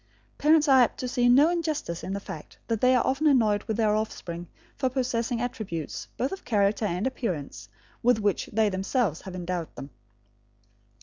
Parents are apt to see no injustice in the fact that they are often annoyed with their offspring for possessing attributes, both of character and appearance, with which they themselves have endowed them.